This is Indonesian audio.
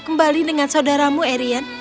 kembali dengan saudaramu arion